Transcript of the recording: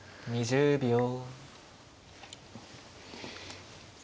２０秒。